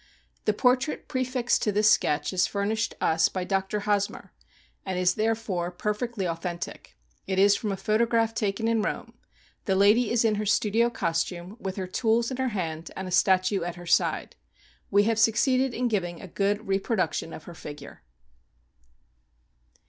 The portrait prefixed to this sketch is furnished us by Dr. Hosmer, and is, there fore, perfectly authentic. It is from a photograph taken in Rome. The lady is in her studio costume, with her tools in her hand and a statue at her side. "Wo have succeeded in giving a good re pro duction of her figure.